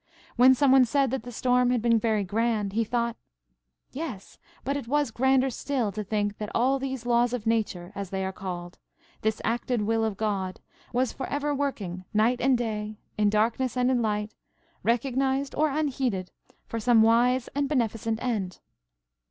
When some one said the storm had been very grand, he thought–yes, but it was grander still to think that all these laws of Nature, as they are called,–this acted will of God–was for ever working night and day, in darkness and in light, recognised or unheeded, for some wise and beneficent end.